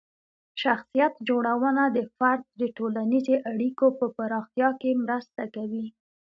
شخصیت جوړونه د فرد د ټولنیزې اړیکو په پراختیا کې مرسته کوي.